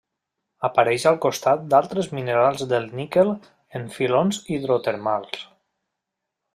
Apareix al costat d'altres minerals del níquel en filons hidrotermals.